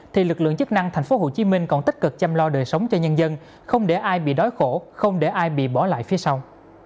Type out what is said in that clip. thì lực lượng chức năng thành phố hồ chí minh còn tích cực chăm lo đời sống cho nhân dân không để ai bị đói khổ không để ai bị bỏ lại phía sau